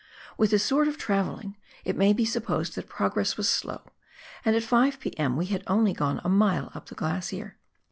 "With this sort of travelling it may be sup posed that progress was slow, and at 5 p.m. we had only gone a mile up the glacier.